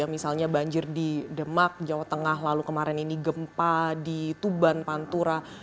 misalnya banjir di demak jawa tengah lalu kemarin ini gempa di tuban pantura